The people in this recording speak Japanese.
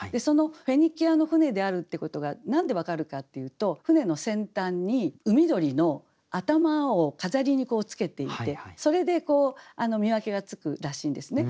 フェニキアの舟であるってことが何で分かるかっていうと舟の先端に海鳥の頭を飾りにつけていてそれで見分けがつくらしいんですね。